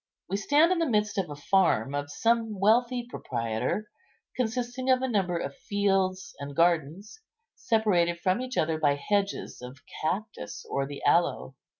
We stand in the midst of a farm of some wealthy proprietor, consisting of a number of fields and gardens, separated from each other by hedges of cactus or the aloe.